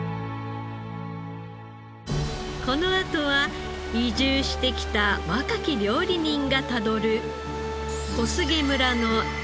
このあとは移住してきた若き料理人がたどる小菅村のヤマメ物語。